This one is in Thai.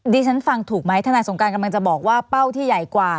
ฉันฟังถูกไหมทนายสงการกำลังจะบอกว่าเป้าที่ใหญ่กว่า